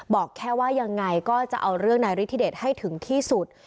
บอกแค่ว่ายังไงก็จะเอาเรื่องนายฤทธิเดชให้ถึงที่สุด